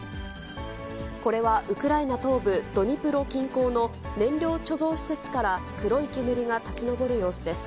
これはウクライナ東部ドニプロ近郊の燃料貯蔵施設から黒い煙が立ち上る様子です。